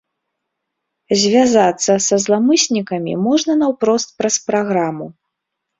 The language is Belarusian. Звязацца са зламыснікамі можна наўпрост праз праграму.